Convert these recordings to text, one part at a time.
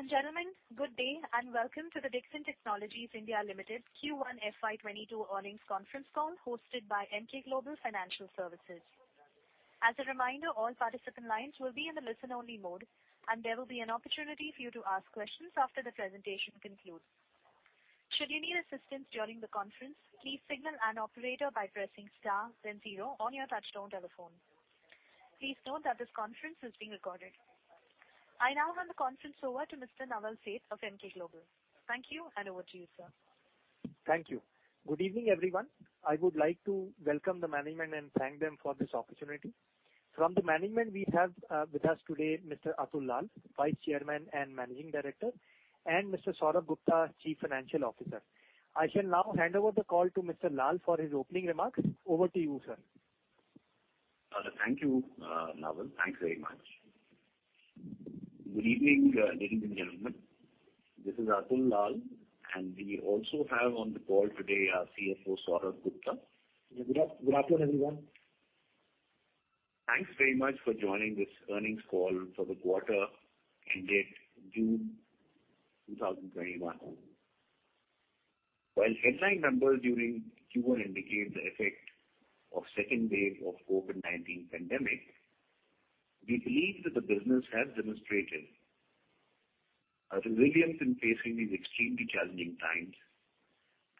Ladies and gentlemen, good day, and welcome to the Dixon Technologies India Limited Q1 FY 2022 earnings conference call hosted by Emkay Global Financial Services. As a reminder, all participants in the lines will be in a listen-only mode and there will be an opportunity for you to ask questions after the presentation is concluded. Shoud you need any assistance in the confence, please signal an operator by pressing star then zero on your touchtone telephone. Please note that this this conference is being recorded. I will now hand the conference over to Mr. Naval Seth of Emkay Global. Thank you, and over to you, sir. Thank you. Good evening, everyone. I would like to welcome the management and thank them for this opportunity. From the management we have with us today Mr. Atul Lall, Vice Chairman and Managing Director, and Mr. Saurabh Gupta, Chief Financial Officer. I shall now hand over the call to Mr. Lall for his opening remarks. Over to you, sir. Thank you, Naval. Thanks very much. Good evening, ladies and gentlemen. This is Atul Lall, and we also have on the call today our CFO, Saurabh Gupta. Good afternoon, everyone. Thanks very much for joining this earnings call for the quarter ended June 2021. While headline numbers during Q1 indicate the effect of second wave of COVID-19 pandemic, we believe that the business has demonstrated a resilience in facing these extremely challenging times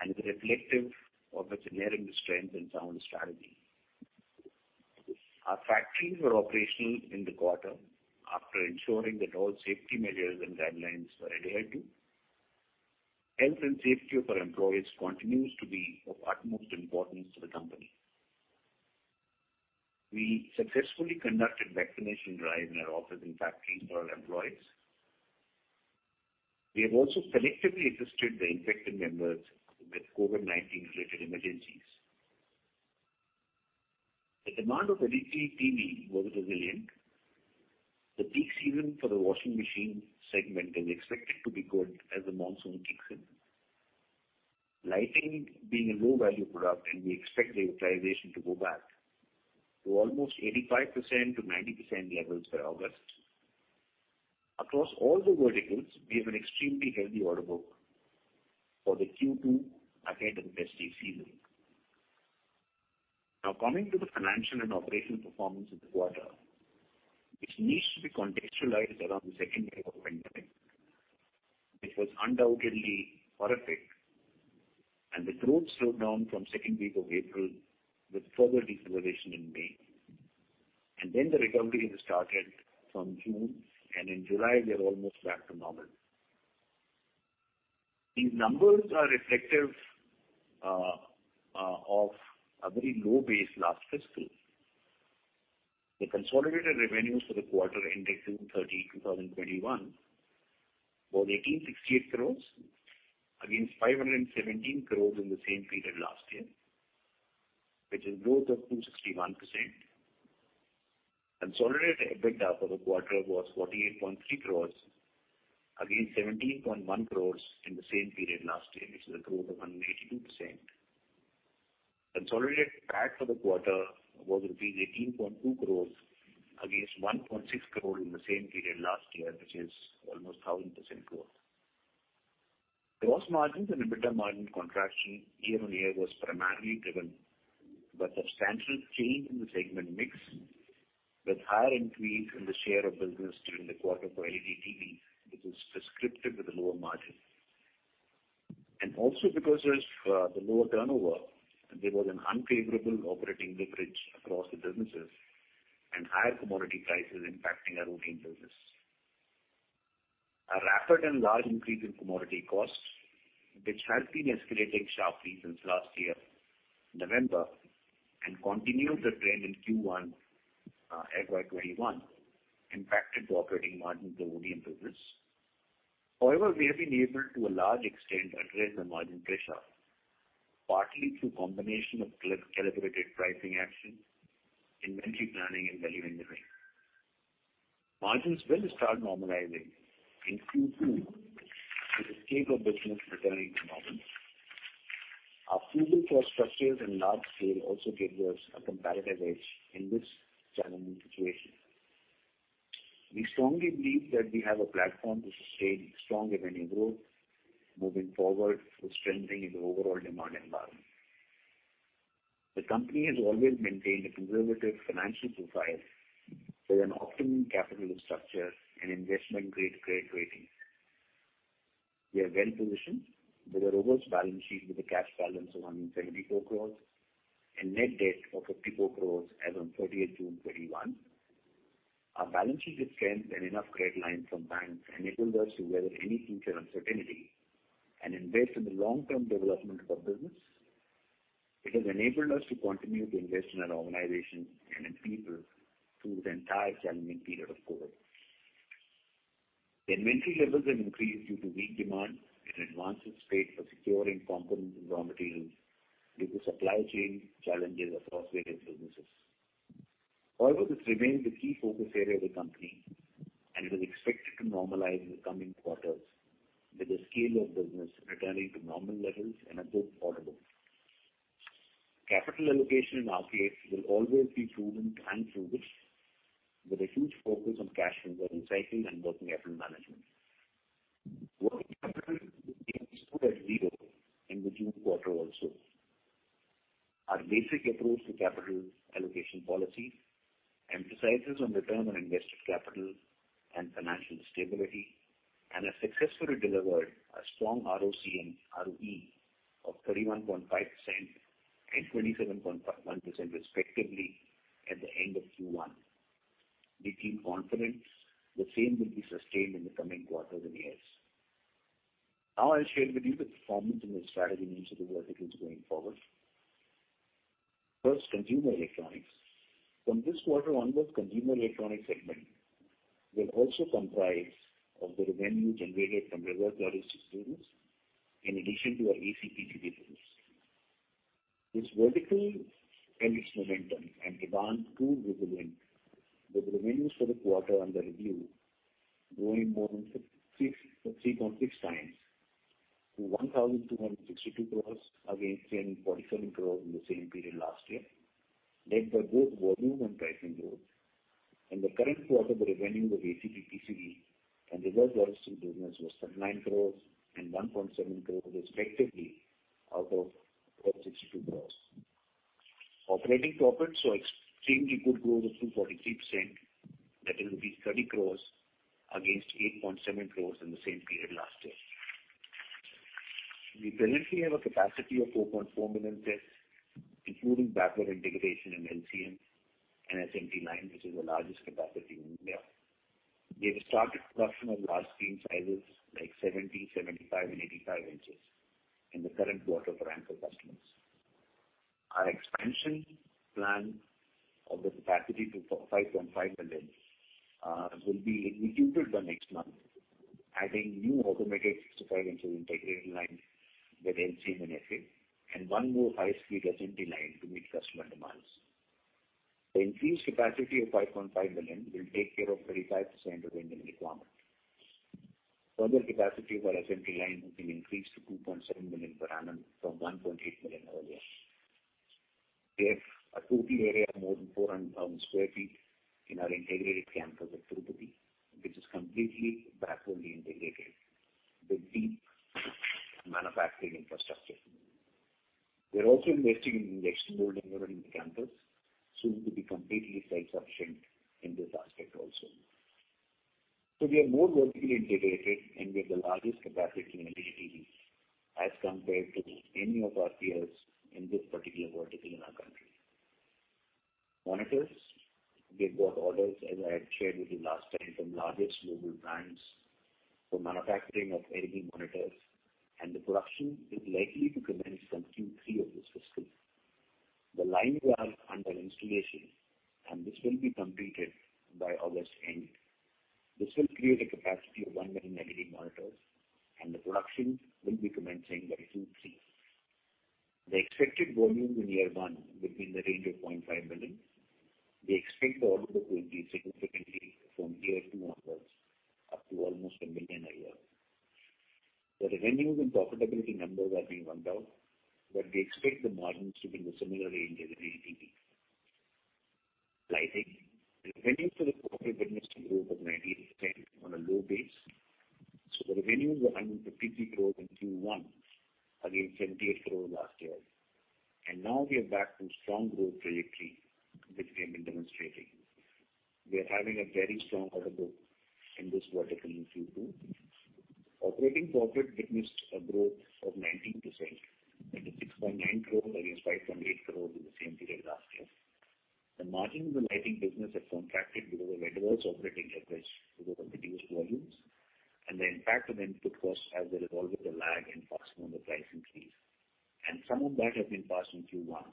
and is reflective of its inherent strength and sound strategy. Our factories were operational in the quarter after ensuring that all safety measures and guidelines were adhered to. Health and safety of our employees continues to be of utmost importance to the company. We successfully conducted vaccination drive in our office and factories for our employees. We have also selectively assisted the infected members with COVID-19 related emergencies. The demand of LED TV was resilient. The peak season for the washing machine segment is expected to be good as the monsoon kicks in. Lighting being a low-value product, we expect the utilization to go back to almost 85%-90% levels by August. Across all the verticals, we have an extremely healthy order book for the Q2 ahead of the festive season. Now coming to the financial and operational performance of the quarter, which needs to be contextualized around the second wave of pandemic, which was undoubtedly horrific, and the growth slowed down from second week of April with further deceleration in May. The recovery has started from June, and in July, we are almost back to normal. These numbers are reflective of a very low base last fiscal. The consolidated revenues for the quarter ended June 30, 2021, was 1,868 crore against 517 crore in the same period last year, which is growth of 261%. Consolidated EBITDA for the quarter was 48.3 crore against 17.1 crore in the same period last year, which is a growth of 182%. Consolidated PAT for the quarter was rupees 18.2 crore against 1.6 crore in the same period last year, which is almost 1,000% growth. Gross margins and EBITDA margin contraction year-on-year was primarily driven by substantial change in the segment mix with higher increase in the share of business during the quarter for LED TV, which is prescriptive with the lower margin. Also because there's the lower turnover, and there was an unfavorable operating leverage across the businesses and higher commodity prices impacting our OEM business. A rapid and large increase in commodity costs, which has been escalating sharply since last year November and continued the trend in Q1 FY 2021 impacted the operating margin of the OEM business. However, we have been able to a large extent address the margin pressure, partly through combination of calibrated pricing action, inventory planning, and value engineering. Margins will start normalizing in Q2 with the scale of business returning to normal. Our frugal cost structures in large scale also gave us a competitive edge in this challenging situation. We strongly believe that we have a platform to sustain strong revenue growth moving forward with strengthening in the overall demand environment. The company has always maintained a conservative financial profile with an optimum capital structure and investment-grade credit rating. We are well-positioned with a robust balance sheet with a cash balance of 174 crore and net debt of 54 crore as on 30th June 2021. Our balance sheet strength and enough credit lines from banks enabled us to weather any future uncertainty and invest in the long-term development of our business. It has enabled us to continue to invest in our organization and in people through the entire challenging period of COVID-19. The inventory levels have increased due to weak demand and advances made for securing components and raw materials due to supply chain challenges across various businesses. This remains the key focus area of the company, and it is expected to normalize in the coming quarters with the scale of business returning to normal levels and a good order book. Capital allocation in RCA will always be driven by bandwidth, with a huge focus on cash conversion cycling and working capital management. Working capital stood at zero in the June quarter also. Our basic approach to capital allocation policy emphasizes on return on invested capital and financial stability, and has successfully delivered a strong ROCE and ROE of 31.5% and 27.1% respectively at the end of Q1. We keep confidence the same will be sustained in the coming quarters and years. I'll share with you the performance in the strategy mix of the verticals going forward. First, Consumer Electronics. From this quarter onwards, Consumer Electronics segment will also comprise of the revenue generated from reverse logistics business in addition to our AC PCB business. This vertical and its momentum and demand proved resilient, with revenues for the quarter under review growing more than 3.6x to 1,262 crore against 1,047 crore in the same period last year, led by both volume and pricing growth. In the current quarter, the revenue of AC PCB and reverse logistics business was 39 crore and 1.7 crore respectively out of 1,262 crore. Operating profits saw extremely good growth of 43%, that is rupees 30 crore against 8.7 crore in the same period last year. We presently have a capacity of 4.4 million tests, including backward integration in LCM and SMT line, which is the largest capacity in India. We have started production of large screen sizes like 70', 75' and 85' in the current quarter for anchor customers. Our expansion plan of the capacity to 5.5 million will be executed by next month, adding new automated 65' integrated lines with LCM and SMT, and one more high-speed SMT line to meet customer demands. The increased capacity of 5.5 million will take care of 35% of Indian requirement. Further capacity of our SMT line has been increased to 2.7 million per annum from 1.8 million earlier. We have a total area of more than 400,000 sq ft in our integrated campus at Tirupati, which is completely backwardly integrated with deep manufacturing infrastructure. We are also investing in injection molding within the campus, soon to be completely self-sufficient in this aspect also. We are more vertically integrated, and we have the largest capacity in LEDs as compared to any of our peers in this particular vertical in our country. Monitors. We have got orders, as I had shared with you last time, from largest global brands for manufacturing of LED monitors, and the production is likely to commence from Q3 of this fiscal. The lines are under installation, and this will be completed by August end. This will create a capacity of 1 million LED monitors, and the production will be commencing by Q3. The expected volumes in year one will be in the range of 0.5 million. We expect the order to grow significantly from year two onwards, up to almost 1 million a year. The revenues and profitability numbers are being worked out, we expect the margins to be in the similar range as ATP. Lighting. Revenues for the quarter witnessed a growth of 19% on a low base. The revenues were 153 crore in Q1 against 78 crore last year. Now we are back to strong growth trajectory, which we have been demonstrating. We are having a very strong order book in this vertical in Q2. Operating profit witnessed a growth of 19%, that is 6.9 crore against 5.8 crore in the same period last year. The margins in the lighting business have contracted due to the adverse operating leverage due to the reduced volumes and the impact of input costs as there is always a lag in passing on the price increase, some of that has been passed in Q1.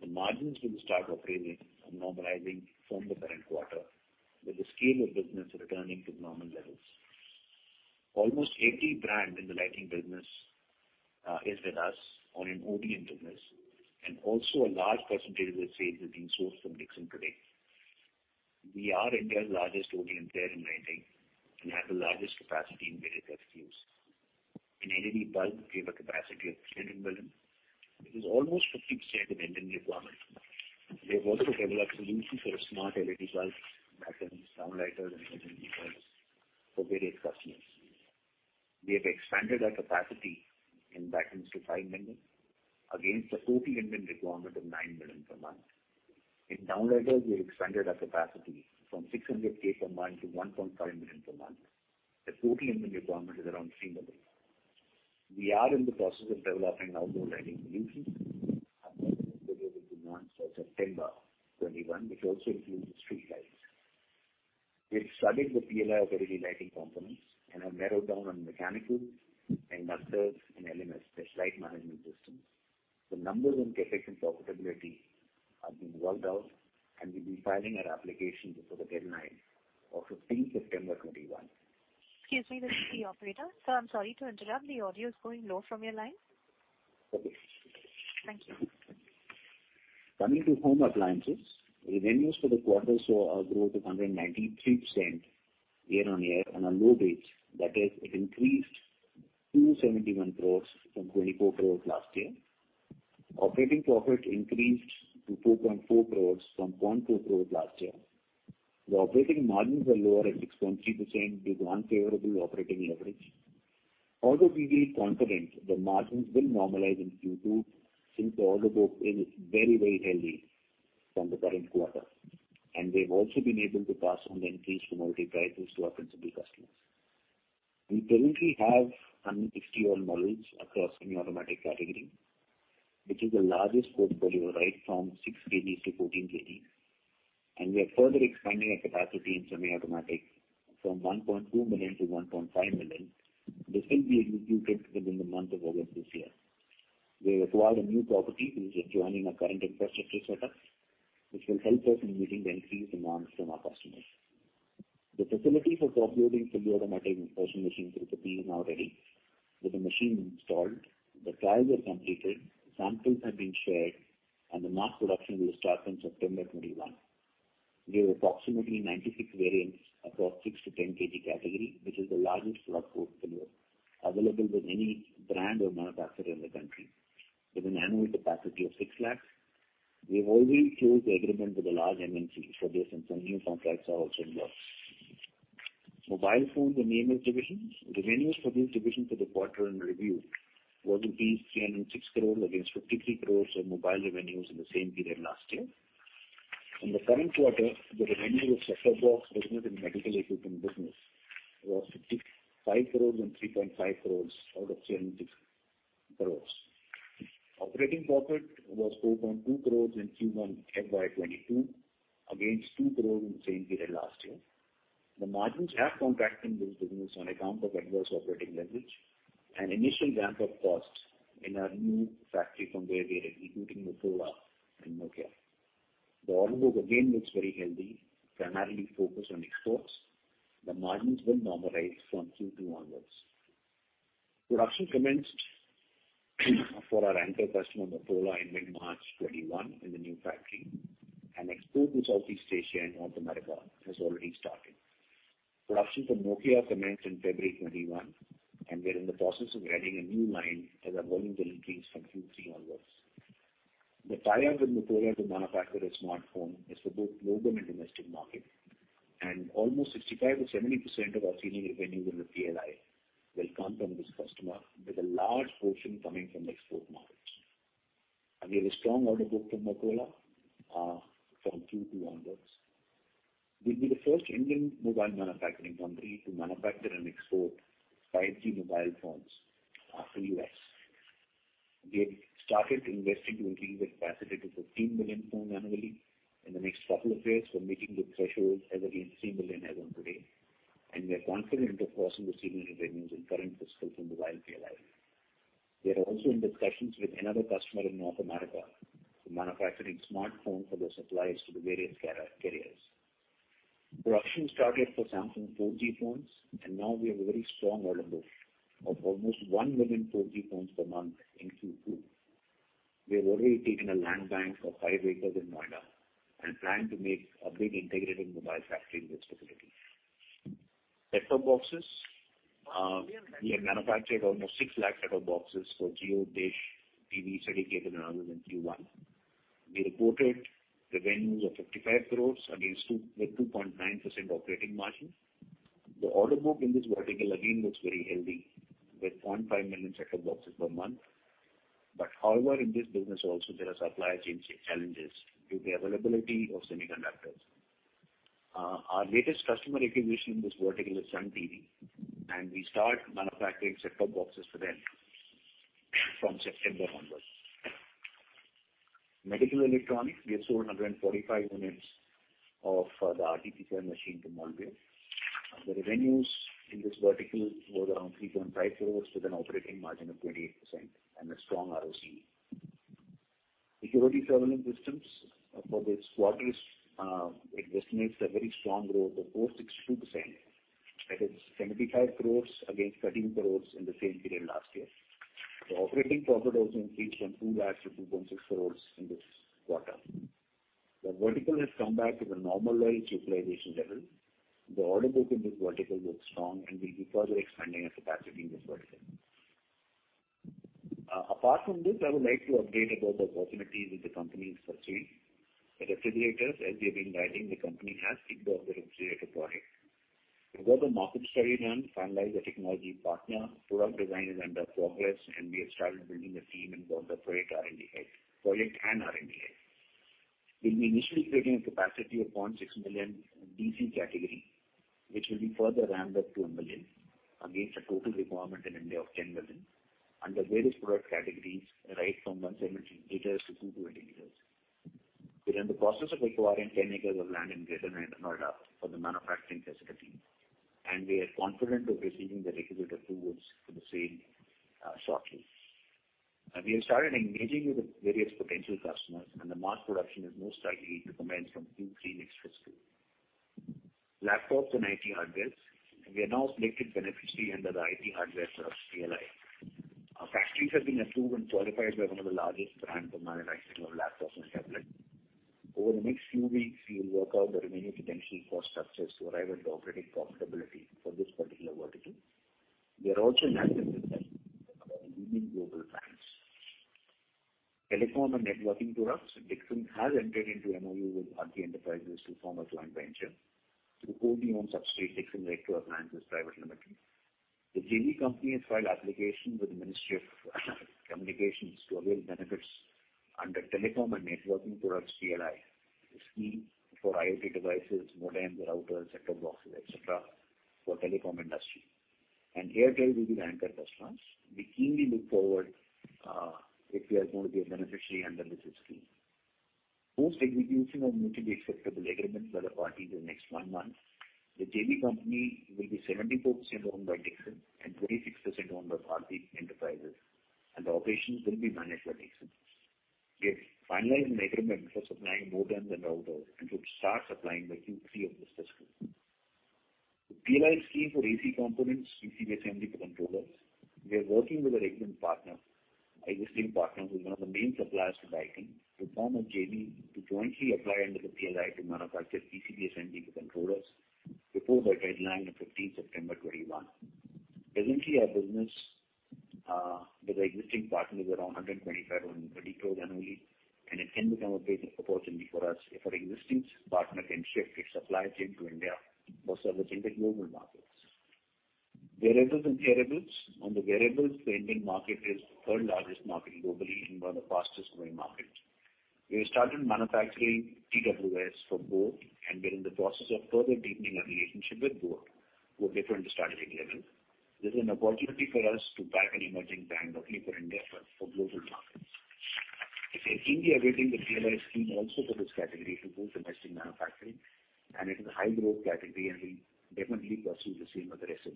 The margins will start operating and normalizing from the current quarter, with the scale of business returning to normal levels. Almost 80% brand in the lighting business is with us on an ODM business, and also a large percentage of the sales is being sourced from Dixon today. We are India's largest ODM player in lighting and have the largest capacity in various SKUs. In LED bulb, we have a capacity of 300 million, which is almost 50% of Indian requirement. We have also developed solutions for a smart LED bulb that is downlighter than LED bulbs for various customers. We have expanded our capacity in batten to 5 million against the total Indian requirement of 9 million per month. In downlighters, we expanded our capacity from 600,000 per month to 1.5 million per month. The total Indian requirement is around 3 million. We are in the process of developing outdoor lighting solutions according to the demands for September 2021, which also includes street lights. We have studied the PLI of LED lighting components and have narrowed down on mechanicals, inverters, and LMS, that's Light Management Systems. The numbers and CapEx and profitability are being worked out, and we'll be filing our application before the deadline of 15 September 2021. Excuse me, this is the operator. Sir, I'm sorry to interrupt. The audio is going low from your line. Okay. Thank you. Coming to Home Appliances, revenues for the quarter saw a growth of 193% year-on-year on a low base. That is, it increased to 71 crore from 24 crore last year. Operating profit increased to 4.4 crore from 1.2 crore last year. The operating margins were lower at 6.3% due to unfavorable operating leverage. Although we are confident the margins will normalize in Q2 since the order book is very healthy from the current quarter, and we've also been able to pass on the increased commodity prices to our principal customers. We currently have 161 models across semi-automatic category, which is the largest portfolio right from 6 kgs-14 kgs and we are further expanding our capacity in semi-automatic from 1.2 million-1.5 million. This will be executed within the month of August this year. We acquired a new property which is joining our current infrastructure setup, which will help us in meeting the increased demands from our customers. The facility for manufacturing fully automatic washing machines in [Pulapili] is now ready with the machine installed. The trials are completed, samples have been shared, and the mass production will start in September 2021. We have approximately 96 variants across 6-10 kg category, which is the largest product portfolio available with any brand or manufacturer in the country, with an annual capacity of 6 lakh. We have already closed the agreement with a large MNC for this, and some new contracts are also in the works. Mobile Phones & EMS division. Revenues for this division for the quarter in review was 306 crore against 53 crore of mobile revenues in the same period last year. In the current quarter, the revenue of set-top box business and medical equipment business was 5 crore and 3.5 crore out of 306 crore. Operating profit was 4.2 crore in Q1 FY 2022, against 2 crore in the same period last year. The margins have contracted in this business on account of adverse operating leverage and initial ramp-up costs in our new factory from where we are executing Motorola and Nokia. The order book again looks very healthy, primarily focused on exports. The margins will normalize from Q2 onwards. Production commenced for our anchor customer, Motorola, in mid-March 2021 in the new factory, and export to Southeast Asia and North America has already started. Production for Nokia commenced in February 2021, and we are in the process of adding a new line as our volumes will increase from Q3 onwards. The tie-up with Motorola to manufacture a smartphone is for both global and domestic market, almost 65%-70% of our ceiling revenues in the PLI will come from this customer, with a large portion coming from the export markets. We have a strong order book from Motorola from Q2 onwards. We'll be the first Indian mobile manufacturing company to manufacture and export 5G mobile phones after U.S. We have started investing to increase the capacity to 15 million phones annually in the next couple of years for meeting the threshold as against 3 million as on today. We are confident of crossing the ceiling revenues in current fiscal from mobile PLI. We are also in discussions with another customer in North America for manufacturing smartphone for their supplies to the various carriers. Production started for Samsung 4G phones, and now we have a very strong order book of almost 1 million 4G phones per month in Q2. We have already taken a land bank of five acres in Noida and plan to make a big integrated mobile factory in this facility. Set-top boxes. We have manufactured almost 6 lakh set-top boxes for Jio, Dish TV, Sun Direct and others in Q1. We reported revenues of 55 crore against with 2.9% operating margin. The order book in this vertical again looks very healthy with 0.5 million set-top boxes per month. However, in this business also, there are supply chain challenges due to availability of semiconductors. Our latest customer acquisition in this vertical is Sun TV, and we start manufacturing set-top boxes for them from September onwards. Medical electronics. We have sold 145 units of the RT-PCR machine to Molbio. The revenues in this vertical were around 3.5 crore with an operating margin of 28% and a strong ROCE. Security surveillance systems for this quarter, it estimates a very strong growth of 462%, that is 75 crore against 13 crore in the same period last year. The operating profit also increased from 2 lakhs to 2.6 crore in this quarter. The vertical has come back to the normalized utilization level. The order book in this vertical looks strong and we'll be further expanding our capacity in this vertical. Apart from this, I would like to update about the opportunities which the company is pursuing. The refrigerators, as we have been guiding, the company has kicked off the refrigerator project. We got the market study done, finalized the technology partner, product design is under progress, and we have started building a team and got the project and R&D head. We'll be initially creating a capacity of 0.6 million DC category, which will be further ramped up to 1 million against the total requirement in India of 10 million under various product categories, right from 170 L-220 L. We are in the process of acquiring 10 acres of land in Greater Noida for the manufacturing facility, and we are confident of receiving the regulatory approvals for the same shortly. We have started engaging with various potential customers, and the mass production is most likely to commence from Q3 next fiscal. Laptops and IT hardware. We are now listed beneficiary under the IT hardware PLI. Our factories have been approved and qualified by one of the largest brand for manufacturing of laptops and tablets. Over the next few weeks, we will work out the remaining potential cost structures to arrive at the operating profitability for this particular vertical. We are also in active discussions with leading global brands. Telecom and networking products. Dixon has entered into MoU with Bharti Enterprises to form a joint venture through a wholly owned subsidiary, Dixon Electro Appliances Private Limited. The JV company has filed application with the Ministry of Communications to avail benefits under telecom and networking products PLI scheme for IoT devices, modems, routers, set-top boxes, etc., for telecom industry. Airtel will be the anchor customer. We keenly look forward if we are going to be a beneficiary under this scheme. Post execution of mutually acceptable agreements by the parties in the next one month, the JV company will be 74% owned by Dixon and 36% owned by Bharti Enterprises and the operations will be managed by Dixon. We have finalized an agreement for supplying modems and routers. Should start supplying by Q3 of this fiscal year. The PLI scheme for AC components, PCB assembly for controllers. We are working with our existing partner, who is one of the main suppliers to Dixon, to form a JV to jointly apply under the PLI to manufacture PCB assembly for controllers before the deadline of 15th September 2021. Presently, our business with our existing partner is around 125 crore-130 crore annually. It can become a big opportunity for us if our existing partner can shift its supply chain to India for servicing the global markets. Wearables and hearables. On the wearables, the Indian market is the third-largest market globally and one of the fastest-growing market. We have started manufacturing TWS for boAt and we're in the process of further deepening our relationship with boAt to a different strategic level. This is an opportunity for us to back an emerging brand locally for India for global markets. In India, we think the PLI scheme also for this category to boost domestic manufacturing, and it is a high-growth category and we definitely pursue the same with aggression.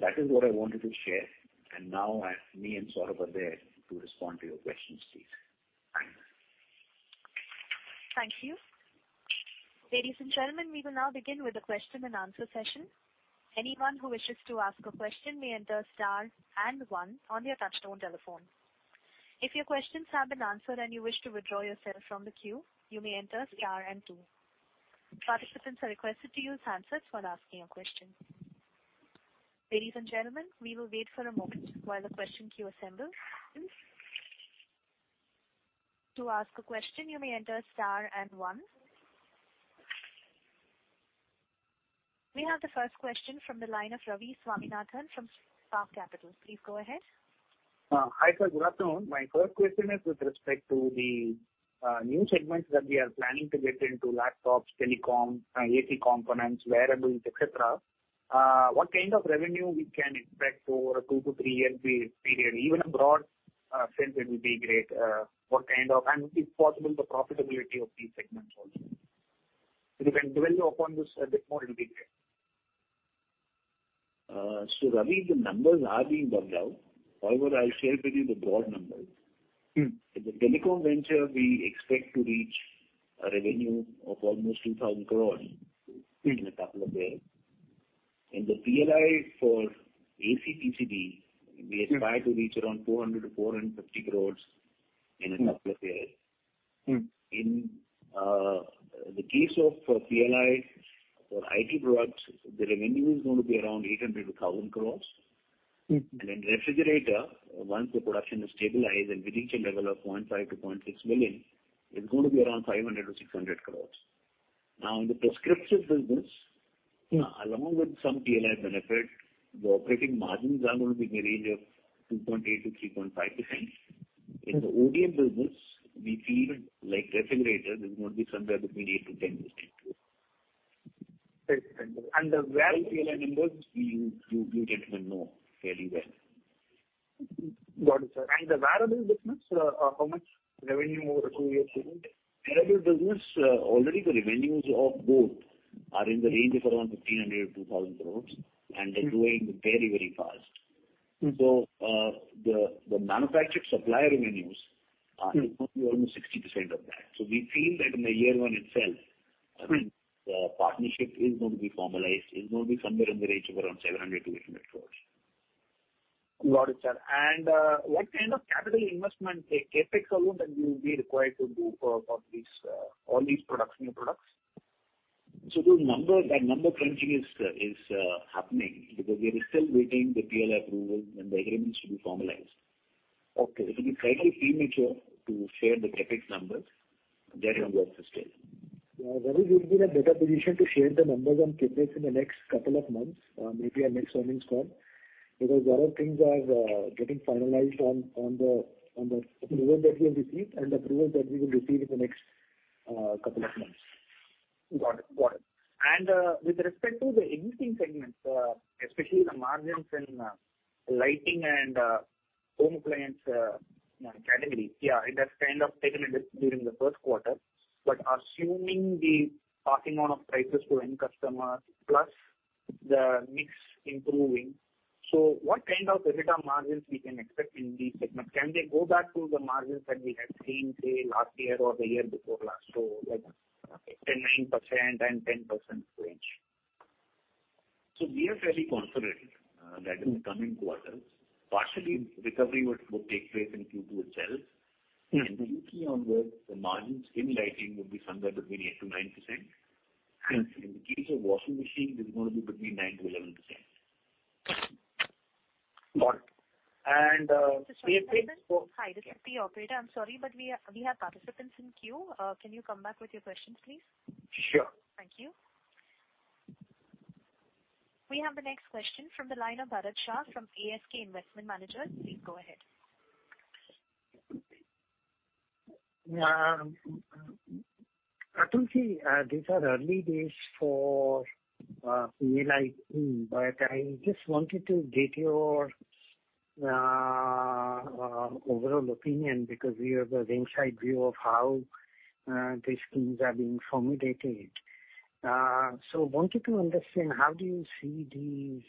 That is what I wanted to share, and now me and Saurabh are there to respond to your questions, please. Thanks. Thank you. Ladies and gentlemen, we will now begin with the question-and-answer session. Anyone who wishes to ask a question may enter star and one on their touch-tone telephone. If your questions have been answered and you wish to withdraw yourself from the queue, you may enter star and two. Participants are requested to use handsets while asking a question. Ladies and gentlemen, we will wait for a moment while the question queue assembles. To ask a question, you may enter star and one. We have the first question from the line of Ravi Swaminathan from Spark Capital. Please go ahead. Hi, sir. Good afternoon. My first question is with respect to the new segments that we are planning to get into, laptops, telecom, AC components, wearables, et c. What kind of revenue we can expect over a two to three year period? Even a broad sense it will be great. If possible, the profitability of these segments also. If you can dwell upon this a bit more, it'll be great. Ravi, the numbers are being worked out. However, I'll share with you the broad numbers. In the telecom venture, we expect to reach a revenue of almost 2,000 crore in a couple of years. In the PLI for AC PCB, we aspire to reach around 400 crore to 450 crore in a couple of years. In the case of PLI for IT products, the revenue is going to be around 800 crore-1,000 crore. Refrigerator, once the production is stabilized and we reach a level of 0.5 million-0.6 million, it's going to be around 500 crore-600 crore along with some PLI benefit, the operating margins are going to be in the range of 2.8%-3.5%. In the ODM business, we feel like refrigerators, it's going to be somewhere between 8%-10%. Right. PLI numbers? You get to know fairly well. Got it, sir. The wearables business, how much revenue over a two-year period? Wearables business, already the revenues of boAt are in the range of around 1,500 crore-2,000 crore and they're growing very fast. The manufactured supplier revenues are going to be almost 60% of that. We feel that in the year one itself the partnership is going to be formalized, is going to be somewhere in the range of around 700 crore-800 crore. Got it, sir. What kind of capital investment, CapEx alone that you will be required to do for all these new products? The number crunching is happening because we are still waiting the PLI approval and the agreements to be formalized. Okay. It will be slightly premature to share the CapEx numbers. That number is still. Ravi, we'll be in a better position to share the numbers on CapEx in the next couple of months, maybe our next earnings call, because lot of things are getting finalized on the approval that we have received and the approvals that we will receive in the next couple of months. Got it. With respect to the existing segments, especially the margins in lighting and home appliance category, it has kind of taken a hit during the first quarter. Assuming the passing on of prices to end customer plus the mix improving, what kind of EBITDA margins we can expect in these segments? Can they go back to the margins that we had seen, say, last year or the year before last, like 9%-10% range? We are fairly confident that in the coming quarters, partial recovery would take place in Q2 itself. From Q3 onwards, the margins in lighting would be somewhere between 8%-9%. In the case of washing machines, it's going to be between 9%-11%. Got it. We have- Mr. Swaminathan. Hi, this is the operator. I'm sorry, but we have participants in queue. Can you come back with your questions, please? Sure. Thank you. We have the next question from the line of Bharat Shah from ASK Investment Managers. Please go ahead. Atul, these are early days for PLI scheme, I just wanted to get your overall opinion because you have the inside view of how these schemes are being formulated. I wanted to understand, how do you see these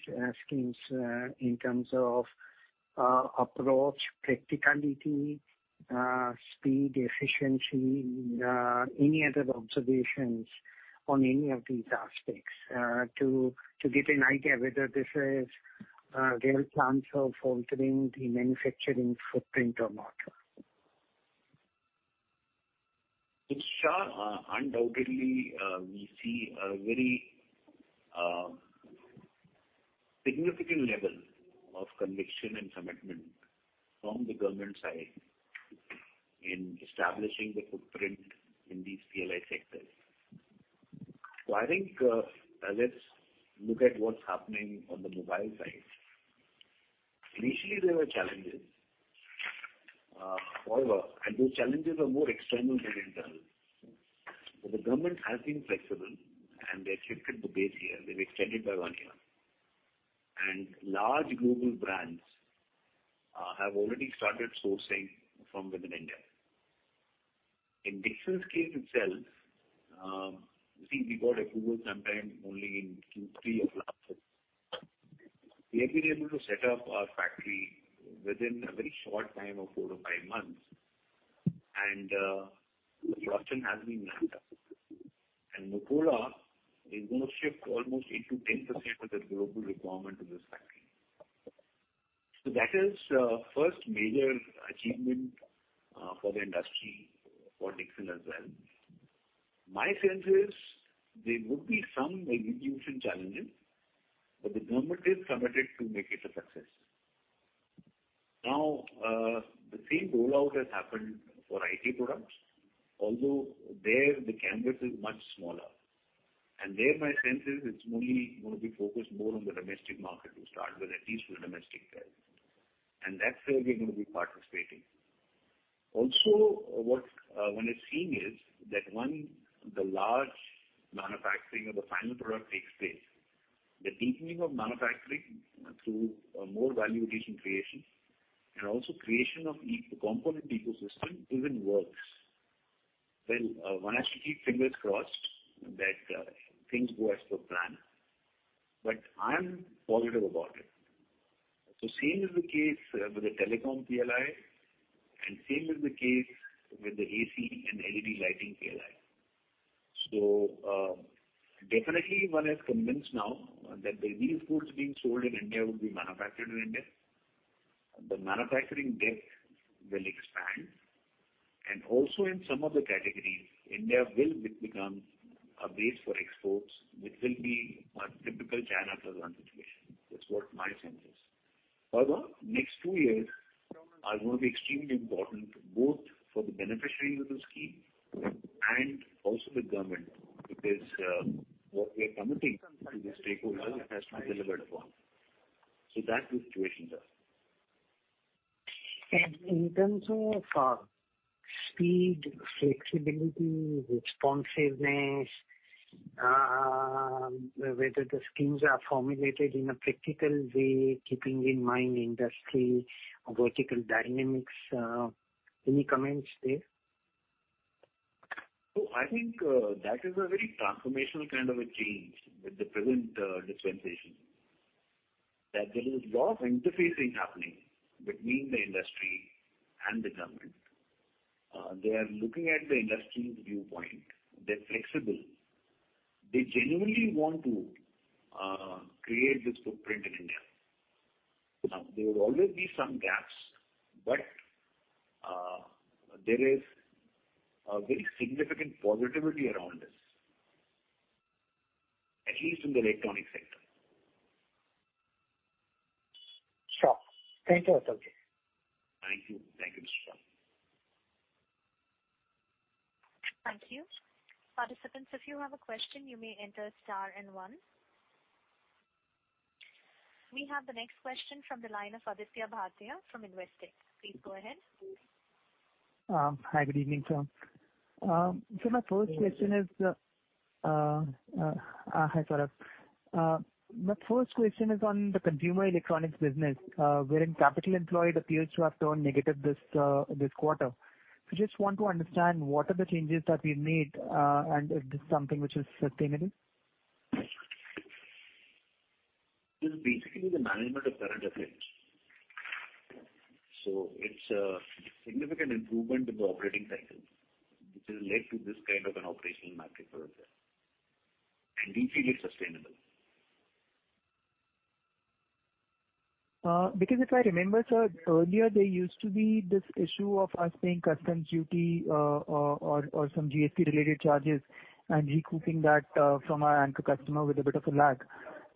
schemes in terms of approach, practicality, speed, efficiency, any other observations on any of these aspects to get an idea whether there is real chance of altering the manufacturing footprint or not? Sure. Undoubtedly, we see a very significant level of conviction and commitment from the government side in establishing the footprint in these PLI sectors. I think, let's look at what's happening on the mobile side. Initially, there were challenges. However, those challenges are more external than internal. The government has been flexible, and they accepted the base year. They've extended by one year. Large global brands have already started sourcing from within India. In Dixon's case itself, you see, we got approval sometime only in Q3 of last year. We have been able to set up our factory within a very short time of four to five months, and production has been ramped up. Nokia is going to shift almost 8%-10% of their global requirement to this factory. That is first major achievement for the industry, for Dixon as well. My sense is there would be some execution challenges, but the government is committed to make it a success. Now, the same rollout has happened for IT products, although there the canvas is much smaller. There my sense is it's only going to be focused more on the domestic market to start with, at least for domestic players and that's where we're going to be participating. Also, what one is seeing is that once the large manufacturing of the final product takes place, the deepening of manufacturing through more value addition creation and also creation of component ecosystem even works. One has to keep fingers crossed that things go as per plan, but I'm positive about it. Same is the case with the telecom PLI, and same is the case with the AC and LED lighting PLI. Definitely, one is convinced now that the goods being sold in India would be manufactured in India. The manufacturing depth will expand. Also in some of the categories, India will become a base for exports, which will be a typical China Plus One situation. That's what my sense is. However, next two years are going to be extremely important, both for the beneficiaries of the scheme and also the government, because what we are committing to the stakeholder has to be delivered upon. That's the situation there. In terms of speed, flexibility, responsiveness, whether the schemes are formulated in a practical way, keeping in mind industry, vertical dynamics, any comments there? I think that is a very transformational kind of a change with the present dispensation, that there is a lot of interfacing happening between the industry and the government. They are looking at the industry's viewpoint. They're flexible. They genuinely want to create this footprint in India. There will always be some gaps, but there is a very significant positivity around this, at least in the electronic sector. Sure. Thank you, Atul. Thank you. Thank you, Mr. Shah. Thank you. Participants, if you have a question, you may enter star and one. We have the next question from the line of Aditya Bhartia from Investec. Please go ahead. Hi, good evening, sir. Hi, Saurabh. My first question is on the Consumer Electronics business, wherein capital employed appears to have turned negative this quarter. Just want to understand what are the changes that we've made, and is this something which is sustainable? This is basically the management of current affairs. It's a significant improvement in the operating cycle, which has led to this kind of an operational metric for us there and we feel it's sustainable. If I remember, sir, earlier there used to be this issue of us paying customs duty or some GST-related charges and recouping that from our anchor customer with a bit of a lag.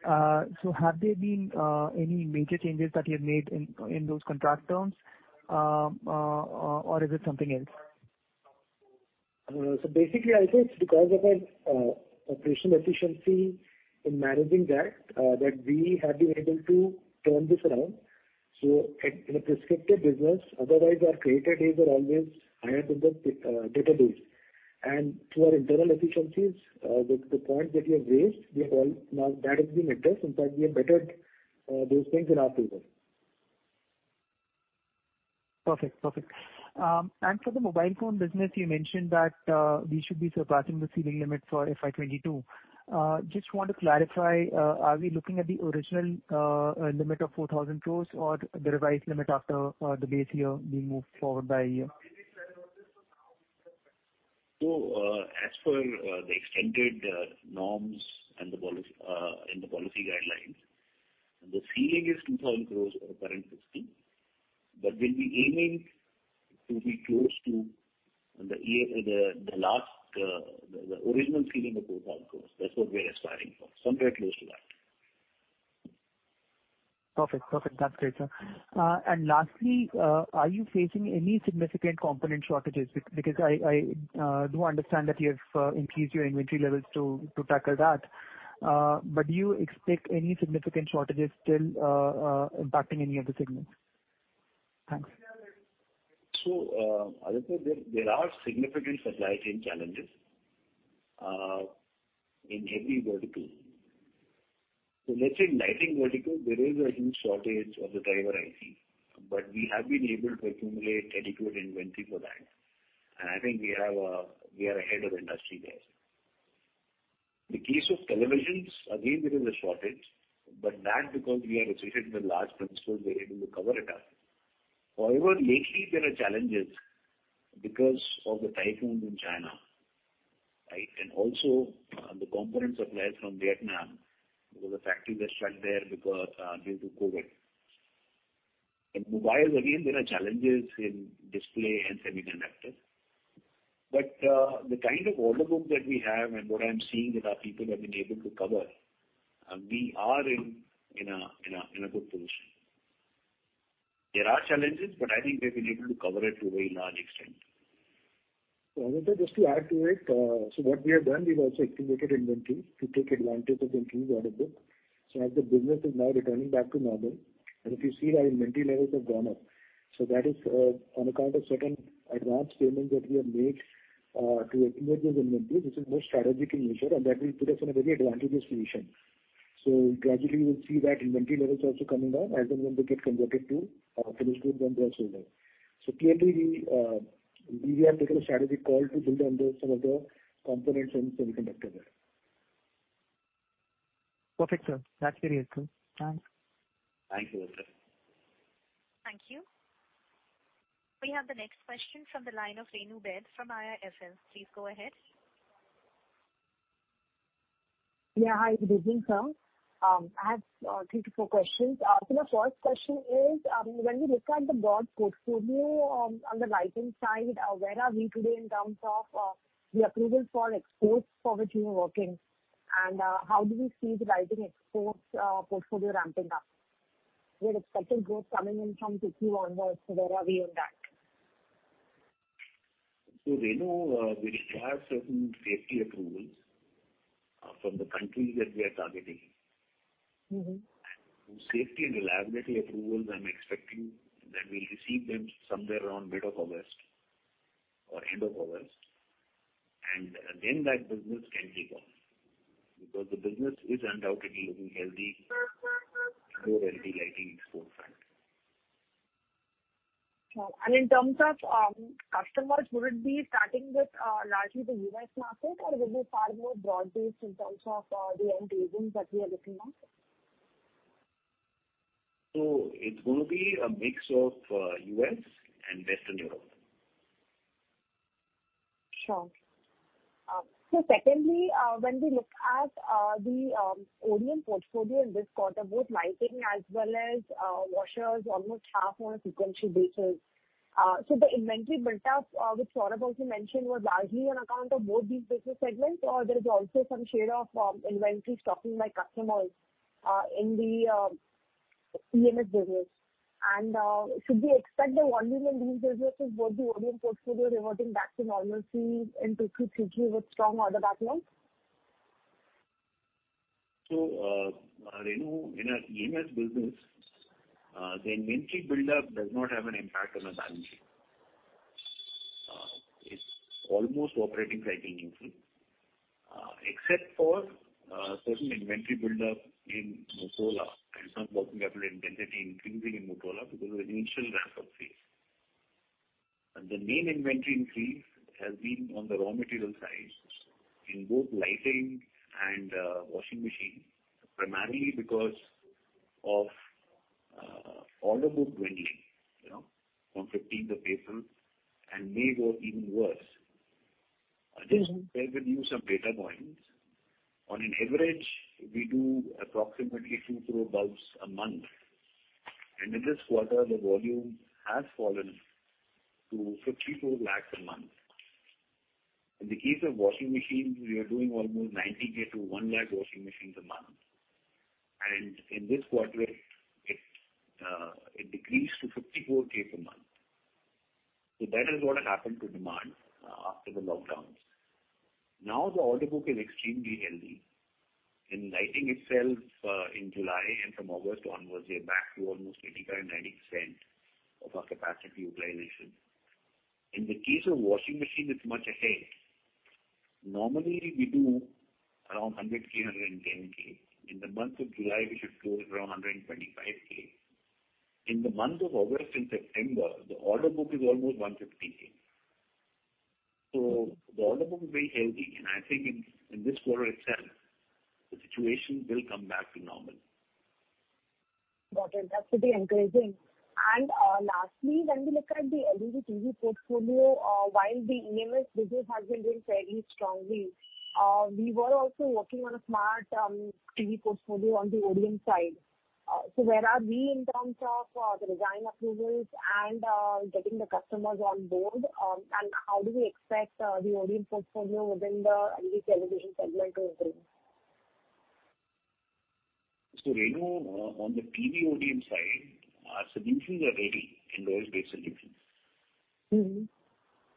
Have there been any major changes that you have made in those contract terms?or is it something else? Basically, I think it's because of our operational efficiency in managing that we have been able to turn this around. In a prescriptive business, otherwise, our creditor days are always higher than the debtor days. Through our internal efficiencies, the point that you have raised, now that has been addressed. In fact, we have bettered those things in our favor. Perfect. For the mobile phone business, you mentioned that we should be surpassing the ceiling limit for FY 2022. Just want to clarify, are we looking at the original limit of 4,000 crore or the revised limit after the base year being moved forward by a year? As per the extended norms and the policy guidelines, the ceiling is 2,000 crore for current fiscal. We'll be aiming to be close to the original ceiling of INR 4,000 crore. That's what we are aspiring for, somewhere close to that. Perfect. That's great, sir. Lastly, are you facing any significant component shortages? I do understand that you have increased your inventory levels to tackle that. Do you expect any significant shortages still impacting any of the segments? Thanks. Aditya, there are significant supply chain challenges in every vertical. Let's say in lighting vertical, there is a huge shortage of the driver IC, but we have been able to accumulate adequate inventory for that. I think we are ahead of industry there. In the case of televisions, again, there is a shortage, but that because we are associated with large principals, we're able to cover it up. Lately, there are challenges because of the typhoon in China, right? Also the component suppliers from Vietnam because the factories are struck there due to COVID. In mobiles, again, there are challenges in display and semiconductors. The kind of order book that we have and what I'm seeing that our people have been able to cover, we are in a good position. There are challenges, but I think we have been able to cover it to a very large extent. Aditya, just to add to it, what we have done, we've also accumulated inventory to take advantage of increased order book. As the business is now returning back to normal, and if you see our inventory levels have gone up. That is on account of certain advance payments that we have made to accumulate those inventories. This is more strategic in nature, and that will put us in a very advantageous position. Gradually, you will see that inventory levels also coming down as and when they get converted to finished goods and they are sold out. Clearly, we have taken a strategic call to build the inventory of some of the components and semiconductor there. Perfect, sir. That's very helpful. Thanks. Thank you, Aditya. Thank you. We have the next question from the line of Renu Baid from IIFL. Please go ahead. Yeah. Hi, good evening, sir. I have three to four questions. My first question is, when we look at the broad portfolio on the lighting side, where are we today in terms of the approval for exports for which you are working? How do we see the lighting exports portfolio ramping up? We're expecting growth coming in from 2021 onwards, so where are we on that? Renu, we require certain safety approvals from the countries that we are targeting. Safety and the laboratory approvals, I'm expecting that we'll receive them somewhere around mid of August or end of August. That business can take off because the business is undoubtedly looking more healthy lighting export front. Sure. In terms of customers, would it be starting with largely the U.S. market or will it be far more broad-based in terms of the end agents that we are looking at? It's going to be a mix of U.S. and Western Europe. Sure. Secondly, when we look at the OEM portfolio in this quarter, both lighting as well as washers almost half on a sequential basis. The inventory buildup, which Saurabh also mentioned, was largely on account of both these business segments, or there is also some share of inventory stocking by customers in the EMS business. Should we expect the volume in these businesses, both the OEM portfolio reverting back to normalcy in 2022, 2023 with strong order backlogs? Renu, in our EMS business, the inventory buildup does not have an impact on our balance sheet. It's almost operating cycle neutral. Except for certain inventory buildup in Motorola and some working capital intensity increasing in Motorola because of the initial ramp-up phase. The main inventory increase has been on the raw material side in both lighting and washing machines, primarily because of order book dwindling from 15th of April, and May was even worse. I will just share with you some data points. On an average, we do approximately two bulbs a month. In this quarter, the volume has fallen to 54 lakh a month. In the case of washing machines, we are doing almost 90,000 to 1 lakh washing machines a month. In this quarter, it decreased to 54,000 a month. That is what happened to demand after the lockdowns. The order book is extremely healthy. In lighting itself, in July and from August onwards, we are back to almost 85%, 90% of our capacity utilization. In the case of washing machines, it's much ahead. Normally, we do around 100,000, 110,000. In the month of July, we shipped close to around 125,000. In the month of August and September, the order book is almost 150,000. The order book is very healthy, and I think in this quarter itself, the situation will come back to normal. Got it. That's pretty encouraging. Lastly, when we look at the LED TV portfolio, while the OEM business has been doing fairly strongly, we were also working on a smart TV portfolio on the ODM side. Where are we in terms of the design approvals and getting the customers on board, and how do we expect the ODM portfolio within the LED television segment to improve? Renu, on the TV ODM side, our solutions are ready, Android-based solutions.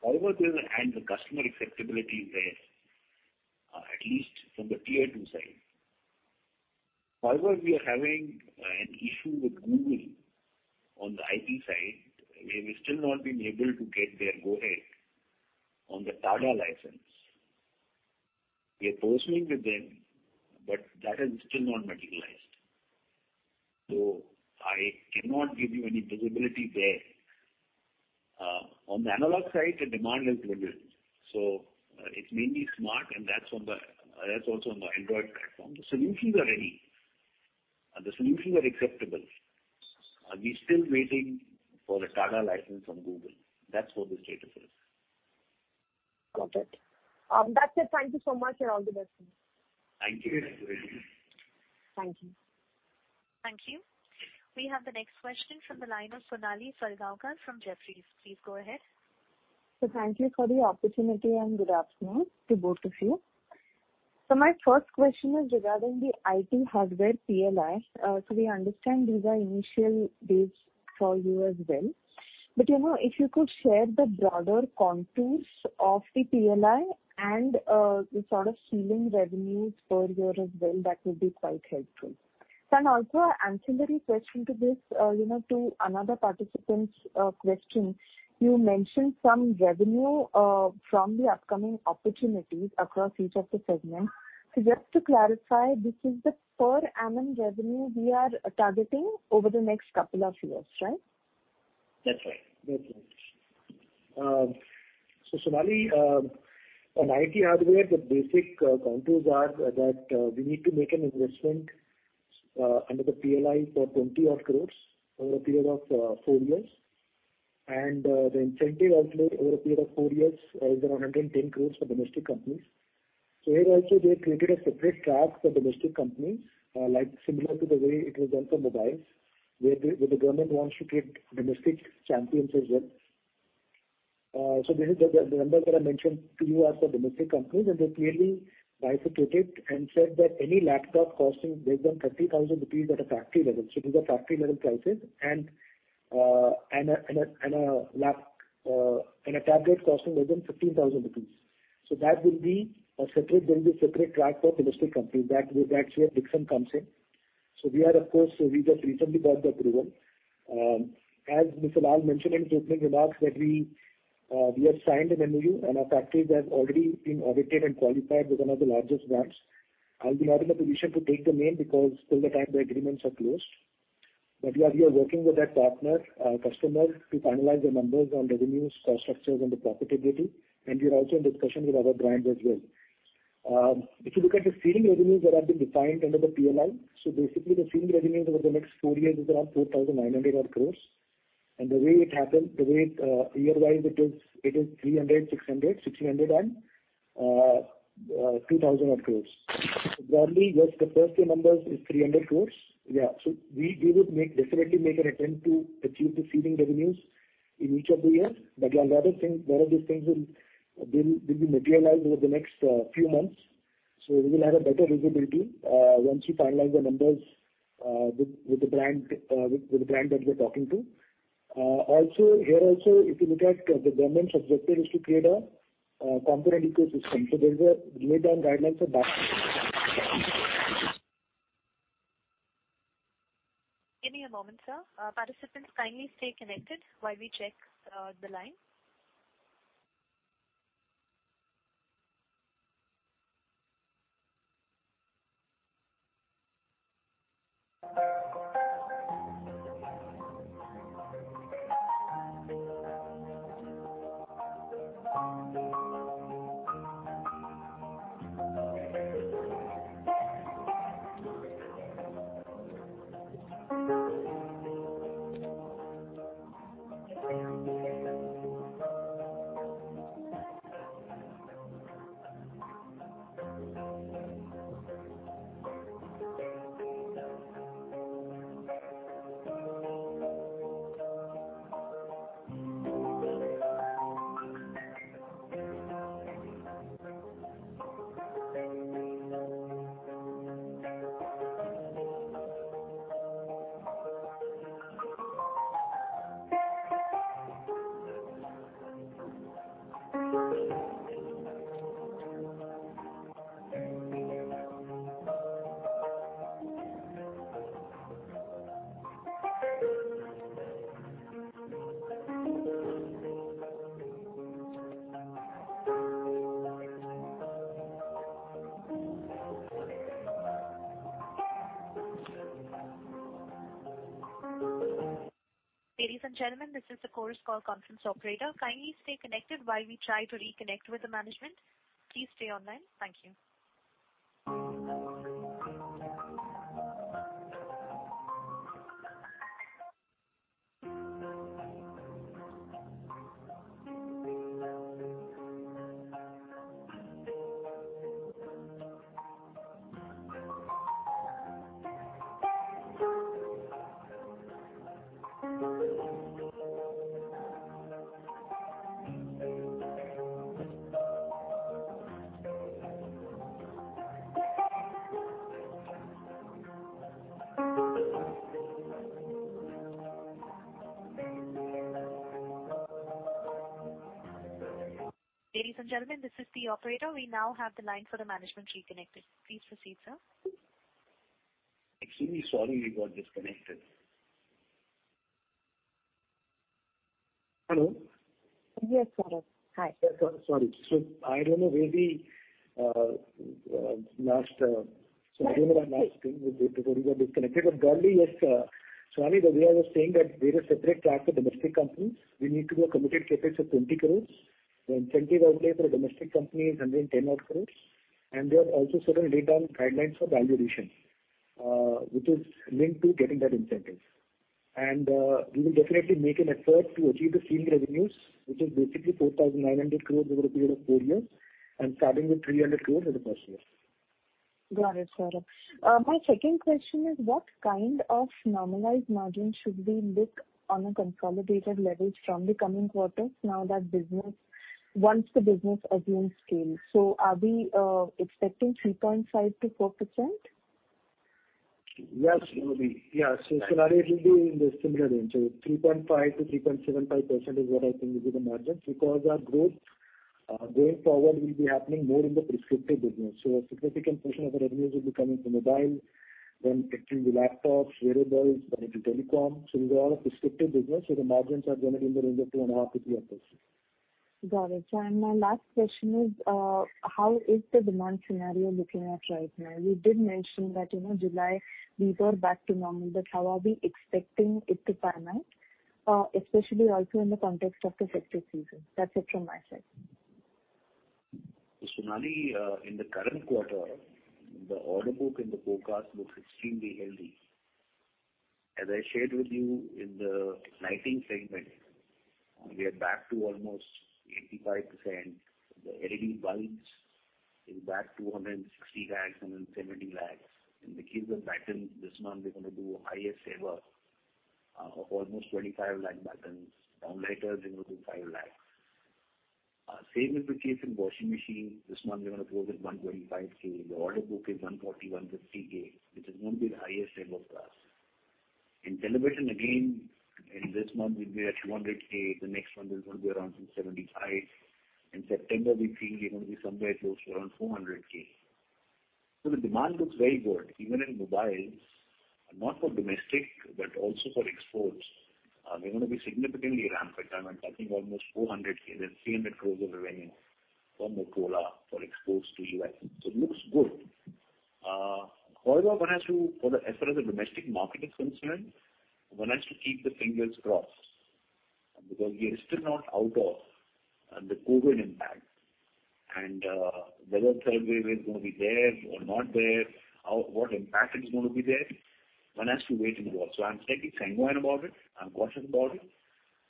However, the customer acceptability is there at least from the tier 2 side. However, we are having an issue with Google on the IP side. We've still not been able to get their go-ahead on the Android and Google TV license. We are pursuing with them, but that has still not materialized. I cannot give you any visibility there. On the analog side, the demand has dwindled, so it's mainly smart, and that's also on the Android platform. The solutions are ready, and the solutions are acceptable. We're still waiting for an Android and Google TV license from Google. That's what the status is. Got it. That said, thank you so much, and all the best. Thank you. Thank you. Thank you. We have the next question from the line of Sonali Salgaonkar from Jefferies. Please go ahead. Thank you for the opportunity, and good afternoon to both of you. My first question is regarding the IT hardware PLI. We understand these are initial days for you as well. If you could share the broader contours of the PLI and the sort of ceiling revenues per year as well, that would be quite helpful. Also a ancillary question to this, to another participant's question. You mentioned some revenue from the upcoming opportunities across each of the segments. Just to clarify, this is the per annum revenue we are targeting over the next couple of years, right? That's right. Sonali, on IT hardware, the basic contours are that we need to make an investment under the PLI for 20-odd crore over a period of four years. The incentive also over a period of four years is around 110 crore for domestic companies. Here also they created a separate track for domestic companies, similar to the way it was done for mobiles, where the government wants to create domestic champions as well. This is the number that I mentioned to you as for domestic companies, and they clearly bifurcated and said that any laptop costing less than 30,000 rupees at a factory level. These are factory-level prices, and a tablet costing less than 15,000 rupees. That will be a separate track for domestic companies, That's where Dixon comes in. We just recently got the approval. As Mr. Lall mentioned in his opening remarks that we have signed an MoU and our factories have already been audited and qualified with one of the largest ramps. I'll be not in a position to take the name because till the time the agreements are closed. We are working with that partner, customer to finalize the numbers on revenues, cost structures, and the profitability. We are also in discussion with other brands as well. If you look at the ceiling revenues that have been defined under the PLI, basically the ceiling revenues over the next four years is around 4,900-odd crore. The way it happens, the way year-wise it is INR 300 crore, INR 600 crore, INR 600 crore, and 2,000-odd crore. Broadly, just the first-year numbers is 300 crore. We would definitely make an attempt to achieve the ceiling revenues in each of the years. One of these things will be materialized over the next few months. We will have a better visibility once we finalize the numbers with the brand that we are talking to. Here also, if you look at the government's objective is to create a component ecosystem. There is a laid-down guidelines for that. Give me a moment, sir. Participants kindly stay connected while we check the line. Ladies and gentlemen, this is the Chorus Call conference operator. Kindly stay connected while we try to reconnect with the management. Please stay online. Thank you. Ladies and gentlemen, this is the operator. We now have the line for the management reconnected. Please proceed, sir. Extremely sorry we got disconnected. Hello. Yes, Saurabh. Hi. Sorry. I don't know where last we were before we got disconnected. Broadly, yes, Sonali, the way I was saying that there is a separate track for domestic companies. We need to do a committed capacity of 20 crore. The incentive outlay for a domestic company is 110-odd crore. There are also certain laid-down guidelines for valuation, which is linked to getting that incentive. We will definitely make an effort to achieve the ceiling revenues, which is basically 4,900 crore over a period of four years, starting with 300 crore in the first year. Got it, Saurabh. My second question is, what kind of normalized margin should we look on a consolidated level from the coming quarters now that once the business again scales? Are we expecting 3.5%-4%? Yes, Sonali. It will be in the similar range. 3.5%-3.75% is what I think will be the margins because our growth going forward will be happening more in the prescriptive business. A significant portion of the revenues will be coming from mobile, then it will be laptops, wearables, then into telecom. These are all a prescriptive business, the margins are going to be in the range of 2.5%-3%. Got it. My last question is, how is the demand scenario looking at right now? You did mention that July, we were back to normal. How are we expecting it to pan out, especially also in the context of the festive season? That's it from my side. Sonali, in the current quarter, the order book in the forecast looks extremely healthy. As I shared with you in the lighting segment, we are back to almost 85%. The LED bulbs is back 260 lakh, 170 lakh. In the case of batteries, this month we're going to do highest ever of almost 25 lakh batteries. Downlighters, we're going to do 5 lakh. Same is the case in washing machines. This month we're going to close at 125,000. The order book is 140,000, 150,000 which is going to be the highest ever for us. In television again, in this month we'll be at 200,000. The next month is going to be around 275,000. In September, we feel we're going to be somewhere close to around 400,000. The demand looks very good. Even in mobiles, not for domestic, but also for exports. We're going to be significantly ramped by time. I'm talking almost 400,000, that's INR 300 crore of revenue from Motorola for exports to the U.S. It looks good. However, as far as the domestic market is concerned, one has to keep the fingers crossed because we are still not out of the COVID impact and whether third wave is going to be there or not there, what impact is going to be there, one has to wait and watch. I'm staying sanguine about it. I'm cautious about it.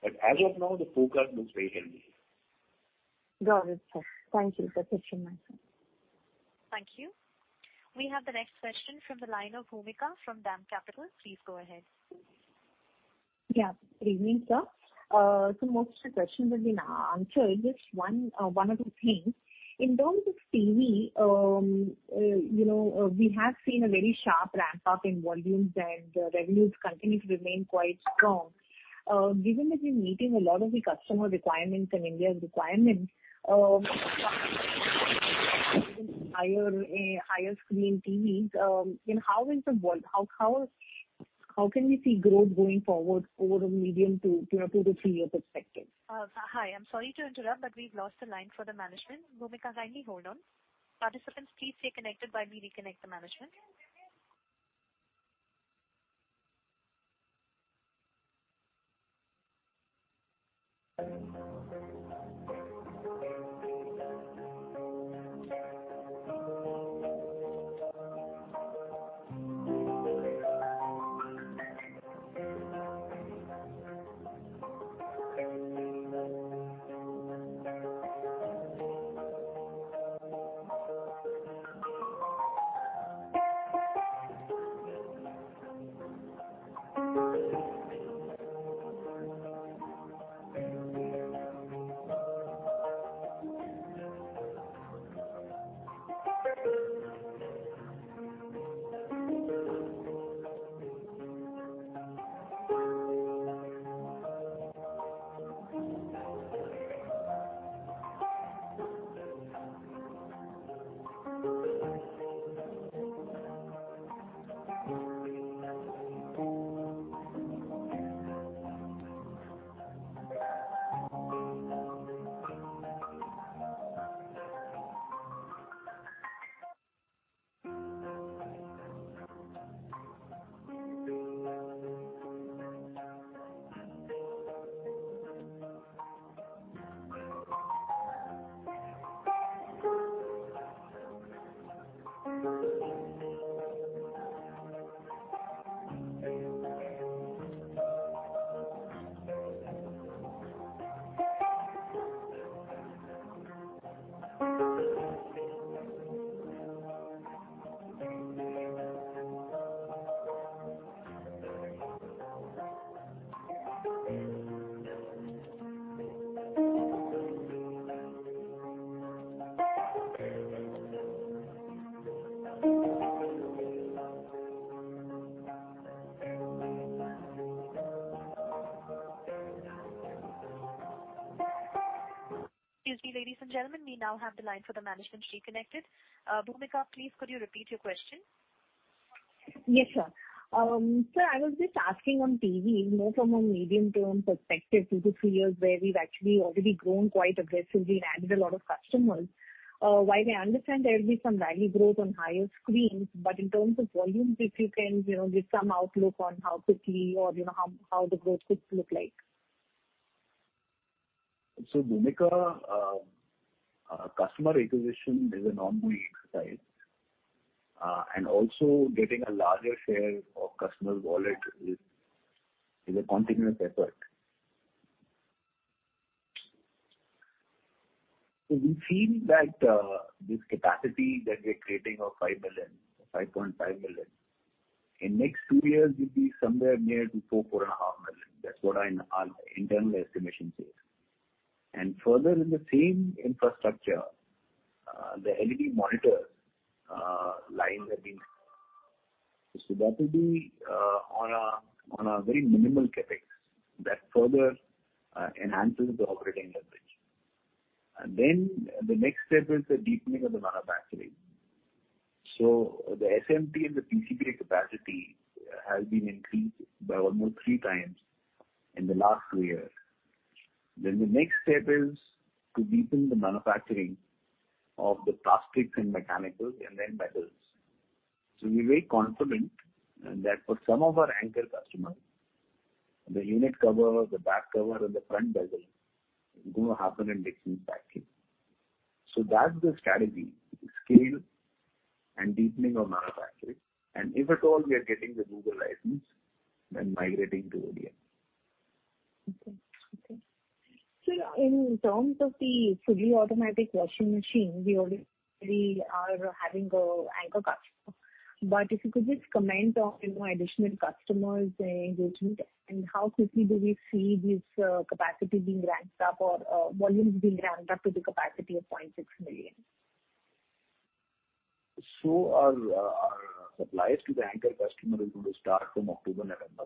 As of now, the forecast looks very healthy. Got it, sir. Thank you. That's it from my side. Thank you. We have the next question from the line of Bhoomika from DAM Capital. Please go ahead. Yeah. Good evening, sir. Most of the questions have been answered, just one or two things. In terms of TV, we have seen a very sharp ramp-up in volumes, and revenues continue to remain quite strong. Given that you're meeting a lot of the customer requirements and India's requirements higher screen TVs, how can we see growth going forward over a medium to two to three years perspective? Hi. I'm sorry to interrupt, but we've lost the line for the management. Bhoomika, kindly hold on. Participants, please stay connected while we reconnect the management. Excuse me, ladies and gentlemen. We now have the line for the management reconnected. Bhoomika, please could you repeat your question? Yes, sir. Sir, I was just asking on TV, more from a medium-term perspective, two to three years, where we've actually already grown quite aggressively and added a lot of customers. While I understand there will be some value growth on higher screens, in terms of volumes, if you can give some outlook on how quickly or how the growth could look like. Bhoomika, customer acquisition is an ongoing exercise, and also getting a larger share of customer wallet is a continuous effort. We feel that this capacity that we are creating of 5 million or 5.5 million, in next two years will be somewhere near to 4.5 million. That is what our internal estimation says. Further, in the same infrastructure, the LED monitor lines have been. That will be on a very minimal CapEx that further enhances the operating leverage. The next step is the deepening of the manufacturing. The SMT and the PCBA capacity has been increased by almost three times in the last two years. The next step is to deepen the manufacturing of the plastics and mechanicals, and then metals. We're very confident that for some of our anchor customers, the unit cover, the back cover, and the front bezel is going to happen in Dixon packing. That's the strategy, scale and deepening of manufacturing. If at all we are getting the Google license, then migrating to ODM. Okay. Sir, in terms of the fully automatic washing machine, we already are having an anchor customer. If you could just comment on additional customers engagement and how quickly do we see this capacity being ramped up or volumes being ramped up to the capacity of 0.6 million? Our supplies to the anchor customer is going to start from October, November.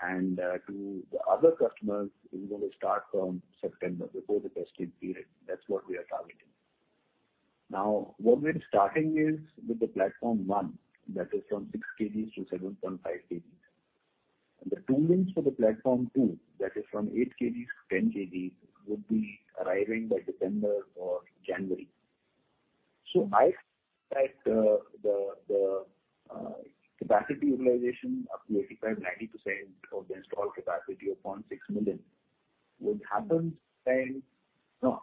To the other customers, it's going to start from September, before the testing period, that's what we are targeting. Now what we're starting is with the platform one, that is from 6 kgs-7.5 kgs. The toolings for the platform two, that is from 8 kgs-10 kgs, would be arriving by December or January. I expect the capacity utilization up to 85%, 90% of the installed capacity of 0.6 million would happen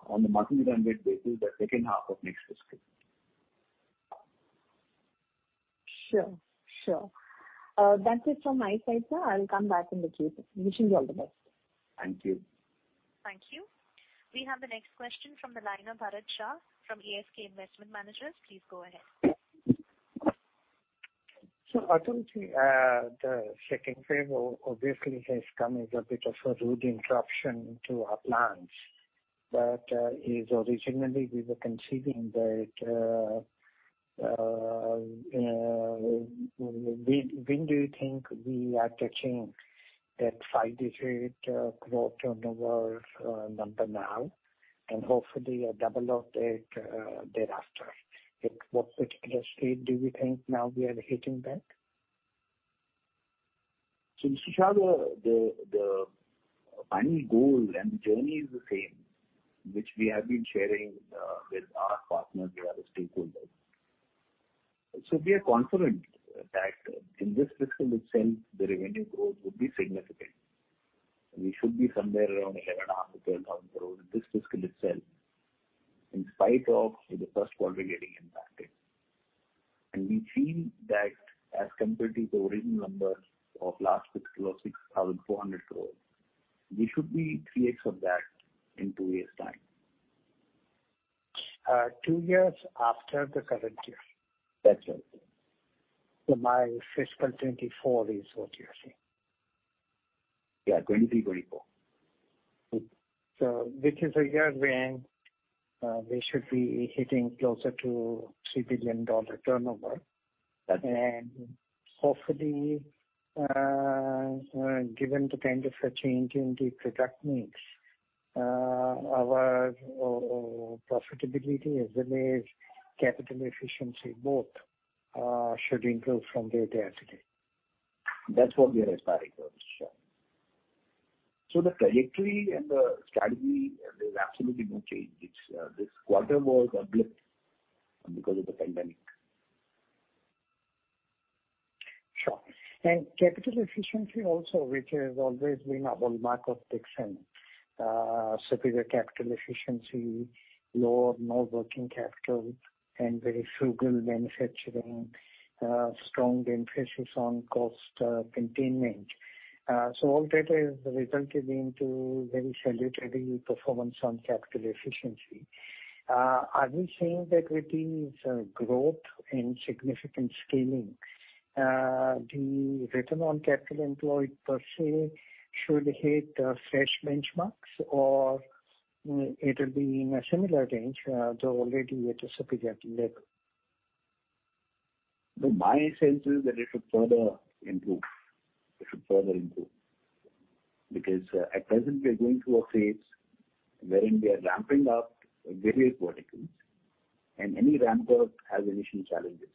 on the monthly run rate basis, the second half of next fiscal year. Sure. That's it from my side, sir. I'll come back in the Q&A. Wishing you all the best. Thank you. Thank you. We have the next question from the line of Bharat Shah from ASK Investment Managers. Please go ahead. Atul Lall, the second wave obviously has come as a bit of a rude interruption to our plans. Originally we were considering that, when do you think we are touching that five-digit growth turnover number now, and hopefully double of it thereafter? At what particular state do we think now we are hitting that? Mr. Shah, the final goal and the journey is the same, which we have been sharing with our partners who are the stakeholders. We are confident that in this fiscal itself, the revenue growth would be significant. We should be somewhere around 11,500 crore-12,000 crore this fiscal itself, in spite of the first quarter getting impacted. We feel that as compared to the original numbers of last fiscal of 6,400 crore, we should be 3x of that in two years' time. Two years after the current year. That's right. My fiscal 2024 is what you're saying? Yeah, 2023, 2024. This is a year when we should be hitting closer to $3 billion turnover. That's it. Hopefully, given the kind of a change in the product mix, our profitability as well as capital efficiency both, should improve from where they are today. That's what we are aspiring for. Sure. The trajectory and the strategy, there's absolutely no change. This quarter was a blip because of the pandemic. Capital efficiency also, which has always been a hallmark of Dixon. Superior capital efficiency, lower net working capital, and very frugal manufacturing, strong emphasis on cost containment. All that has resulted into very salutary performance on capital efficiency. Are we saying that with this growth in significant scaling, the return on capital employed per se should hit fresh benchmarks or it'll be in a similar range, though already it is a superior level? My sense is that it should further improve. At present, we are going through a phase wherein we are ramping up various verticals and any ramp-up has initial challenges.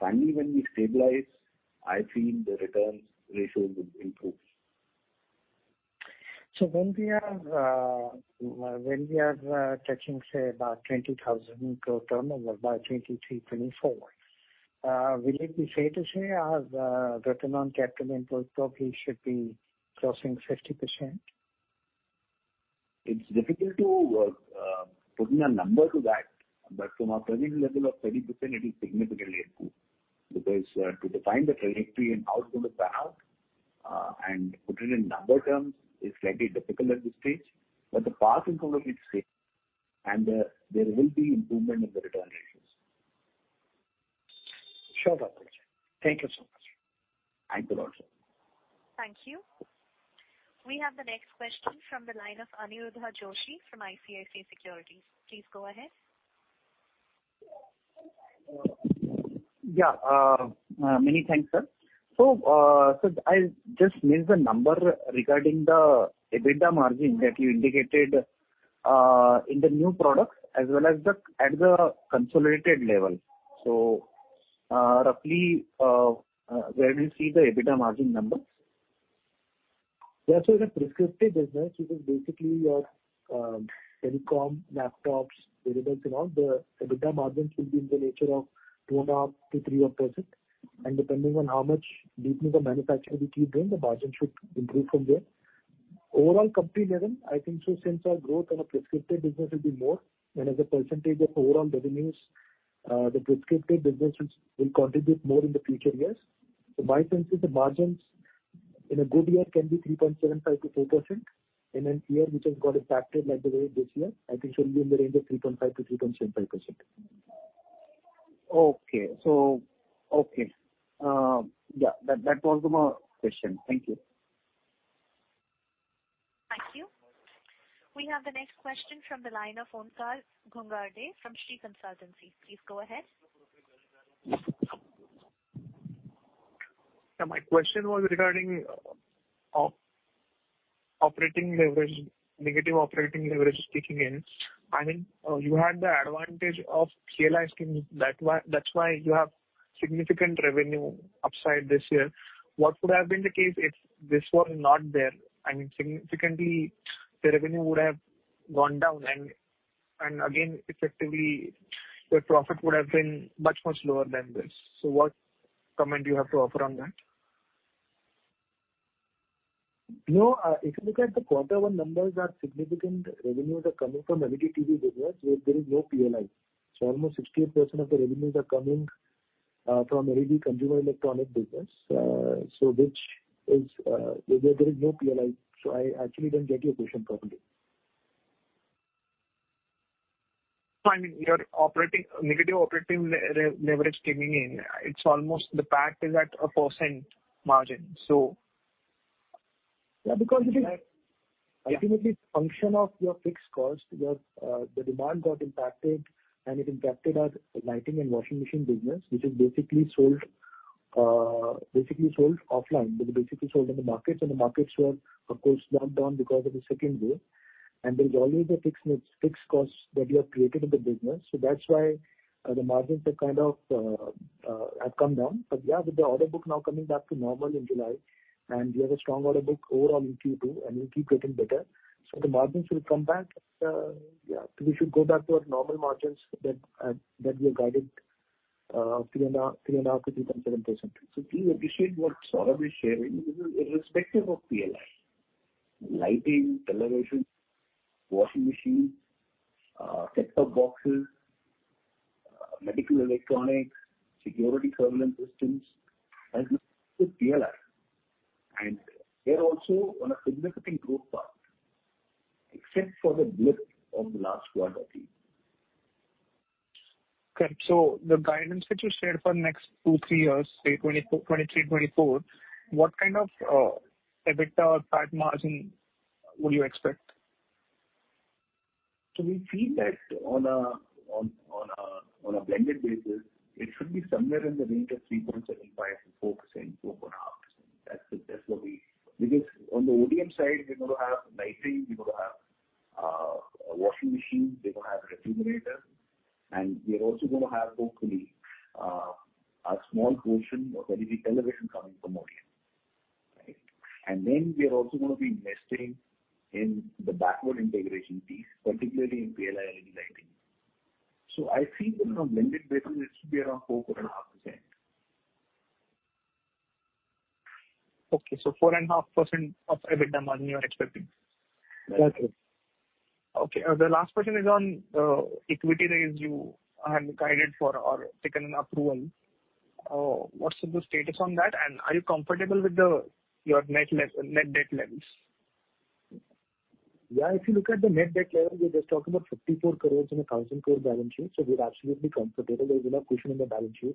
Finally, when we stabilize, I feel the returns ratio would improve. When we are touching, say about 20,000 in total turnover by 2023, 2024, will it be fair to say our return on capital employed probably should be crossing 50%? It's difficult to put in a number to that. From our present level of 30%, it will significantly improve. To define the trajectory and how it's going to pan out, and put it in number terms is slightly difficult at this stage, but the path in front of it is clear, and there will be improvement in the return ratios. Sure, Atul Lall. Thank you so much. Thank you. Thank you. We have the next question from the line of Aniruddha Joshi from ICICI Securities. Please go ahead. Yeah. Many thanks, sir. I just missed the number regarding the EBITDA margin that you indicated in the new products as well as at the consolidated level. Roughly, where do you see the EBITDA margin numbers? Yeah. It's a prescriptive business, which is basically your telecom, laptops, whatever else and all. The EBITDA margins will be in the nature of 2.5%-3%. Depending on how much deepening of manufacturing we keep doing, the margin should improve from there. Overall company level, I think so since our growth on a prescriptive business will be more, and as a percentage of overall revenues, the prescriptive business will contribute more in the future years. My sense is the margins in a good year can be 3.75%-4%. Here, which has got impacted like the way this year, I think should be in the range of 3.5%-3.75%. Okay. Yeah. That was my question. Thank you. Thank you. We have the next question from the line of Onkar Ghugardare from Shree Consultancy. Please go ahead. Yeah. My question was regarding negative operating leverage kicking in. You had the advantage of PLIs coming, that's why you have significant revenue upside this year. What would have been the case if this were not there and significantly the revenue would have gone down and again, effectively, the profit would have been much, much lower than this. What comment do you have to offer on that? No. If you look at the quarter one numbers, our significant revenues are coming from LED TV business where there is no PLI. Almost 68% of the revenues are coming from LED consumer electronic business, where there is no PLI. I actually don't get your question properly. No, your negative operating leverage kicking in. It's almost the PAT is at a percent margin. Yeah, because it is ultimately function of your fixed cost. The demand got impacted, and it impacted our lighting and washing machine business, which is basically sold offline. They're basically sold in the markets, and the markets were, of course, locked down because of the second wave. There is always a fixed cost that you have created in the business so that's why the margins have come down. Yeah, with the order book now coming back to normal in July, and we have a strong order book overall in Q2, and we'll keep getting better. The margins will come back. We should go back to our normal margins that we have guided 3.5%-3.7%. Please appreciate what Saurabh is sharing. This is irrespective of PLI. Lighting, television, washing machines, set-top boxes, medical electronics, security surveillance systems, and with PLI. They're also on a significant growth path, except for the blip of last quarter, I think. Correct. The guidance that you shared for next two, three years, say 2023, 2024, what kind of EBITDA or PAT margin would you expect? We feel that on a blended basis, it should be somewhere in the range of 3.75%-4%, 4.5%. Because on the ODM side, we're going to have lighting, we're going to have washing machines, we're going to have refrigerators, and we are also going to have, hopefully, a small portion of LED television coming from ODM. We are also going to be investing in the backward integration piece, particularly in PLI and in lighting. I feel that on a blended basis, it should be around 4.5%. Okay, 4.5% of EBITDA margin you are expecting. That's it. Okay. The last question is on equity raise you have guided for or taken an approval. What is the status on that, and are you comfortable with your net debt levels? If you look at the net debt level, we're just talking about 54 crore in an 1,000 crore balance sheet. We're absolutely comfortable. There is enough cushion in the balance sheet.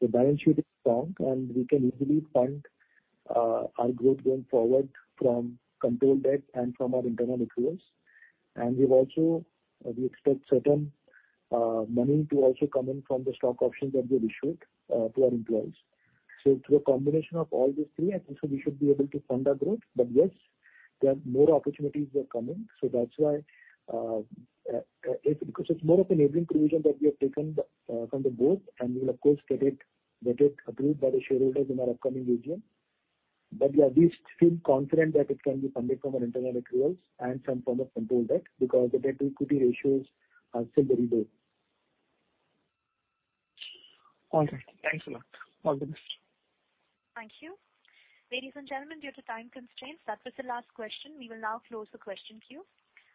The balance sheet is strong, and we can easily fund our growth going forward from controlled debt and from our internal accruals. We expect certain money to also come in from the stock options that we have issued to our employees. Through a combination of all these three, I think we should be able to fund our growth. Yes, there are more opportunities that are coming. That's why, because it's more of an enabling provision that we have taken from the board, and we will, of course, get it approved by the shareholders in our upcoming AGM. Yeah, we feel confident that it can be funded from our internal accruals and some form of controlled debt because the debt-to-equity ratios are still very low. All right. Thanks a lot. All the best. Thank you. Ladies and gentlemen, due to time constraints, that was the last question. We will now close the question queue.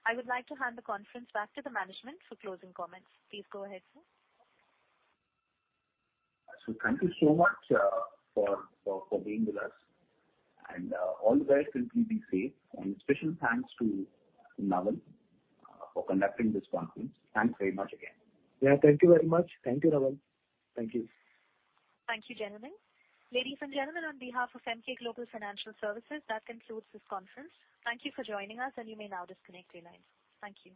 I would like to hand the conference back to the management for closing comments. Please go ahead, sir. Thank you so much for being with us. All the best. Please be safe. Special thanks to Naval for conducting this conference. Thanks very much again. Yeah. Thank you very much. Thank you, Naval. Thank you. Thank you, gentlemen. Ladies and gentlemen, on behalf of Emkay Global Financial Services, that concludes this conference. Thank you for joining us, and you may now disconnect your lines. Thank you.